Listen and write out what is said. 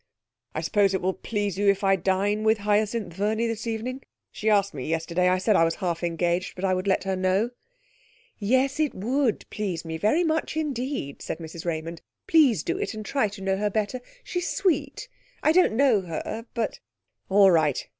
'I suppose it will please you if I dine with Hyacinth Verney this evening? She asked me yesterday. I said I was half engaged, but would let her know.' 'Yes, it would please me very much indeed,' said Mrs Raymond. 'Please do it, and try to know her better. She's sweet. I don't know her, but ' 'All right.